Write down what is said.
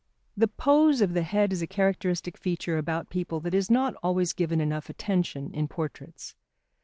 The pose of the head is a characteristic feature about people that is not always given enough attention in portraits.